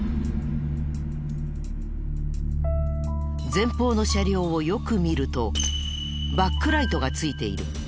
前方の車両をよく見るとバックライトがついている。